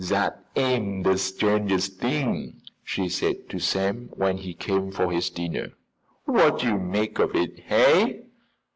"Dat am de strangest t'ing," she said to Sam, when he came for his dinner. "Wot yo' make of it, hey?"